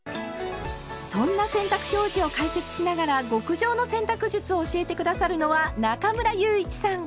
そんな洗濯表示を解説しながら極上の洗濯術を教えて下さるのは中村祐一さん。